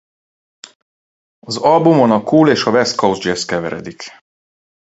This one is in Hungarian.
Az albumon a cool és a west coast jazz keveredik.